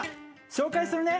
「紹介するね。